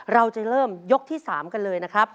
เราจะเริ่มยกที่๓กันเลยนะครับ